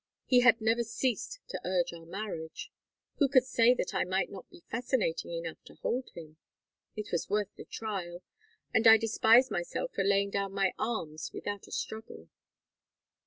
He had never ceased to urge our marriage. Who could say that I might not be fascinating enough to hold him? It was worth the trial, and I despised myself for laying down my arms without a struggle.